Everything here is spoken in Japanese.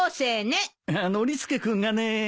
ノリスケ君がね。